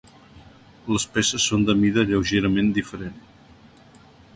Les peces són de mida lleugerament diferent.